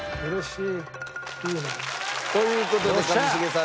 いいね。という事で一茂さん